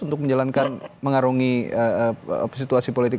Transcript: untuk menjalankan mengarungi situasi politik